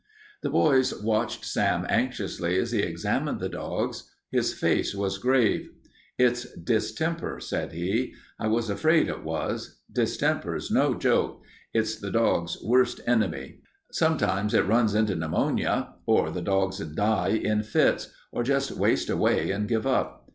The boys watched Sam anxiously as he examined the dogs. His face was grave. "It's distemper," said he. "I was afraid it was. Distemper's no joke; it's the dog's worst enemy. Sometimes it runs into pneumonia, or the dogs die in fits, or just waste away and give up.